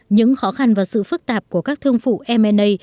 những khó khăn và sự phức tạp của các thương phụ m a